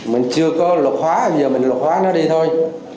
mình chưa có luật hóa giờ mình luật hóa nó đi thôi